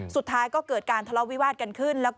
สุดท้ายก็เกิดการทะเลาะวิวาสกันขึ้น